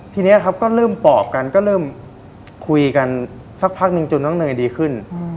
ทีนี้ครับก็เริ่มปอบกันก็เริ่มคุยกันสักพักนึงจนน้องเนยดีขึ้น